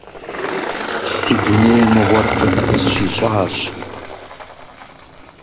Си дуней мыгъуэр кӀыфӀ къысщищӀащ…